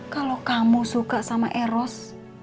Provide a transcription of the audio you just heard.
kalau kamu suka sama eros